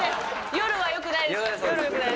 夜はよくないです。